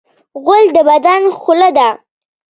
غول د بدن خوله ده.